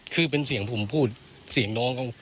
คือเป็นเสียงผมพูดเสียงน้องเขา